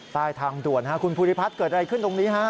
ใต้ทางด่วนคุณภูริพัฒน์เกิดอะไรขึ้นตรงนี้ฮะ